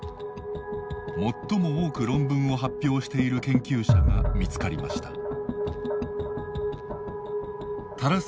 最も多く論文を発表している研究者が見つかりました。